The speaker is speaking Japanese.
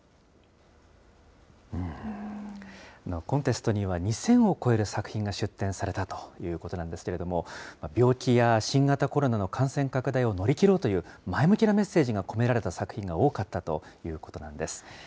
コンテストには２０００を超える作品が出展されたということなんですけれども、病気や新型コロナの感染拡大を乗り切ろうという前向きなメッセージが込められた作品が多かったということなんです。